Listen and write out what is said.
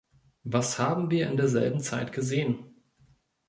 Was haben wir in derselben Zeit gesehen?